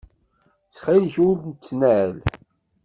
Ttxil-k, ur ttnal.